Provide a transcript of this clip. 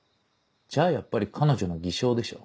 じゃあやっぱり彼女の偽証でしょ。